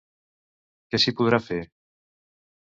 Què s'hi podrà fer?